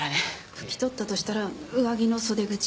ふき取ったとしたら上着の袖口。